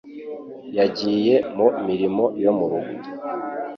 Yagiye mu mirimo yo mu rugo